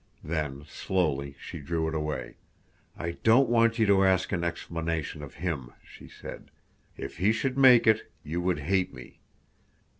Then, slowly, she drew it away. "I don't want you to ask an explanation of him," she said. "If he should make it, you would hate me.